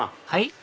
はい？